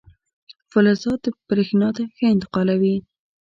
فلزات برېښنا ښه انتقالوي.